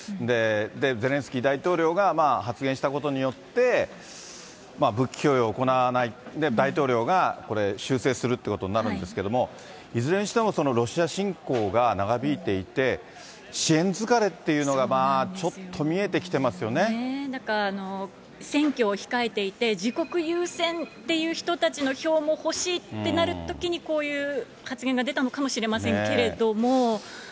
ゼレンスキー大統領が発言したことによって、武器供与を行わない、大統領がこれ、修正するってことになるんですが、いずれにしてもロシア侵攻が長引いていて、支援疲れっていうのがなんか、選挙を控えていて、自国優先っていう人たちの票も欲しいってなるときに、こういう発言が出たのかもしれませんけれども。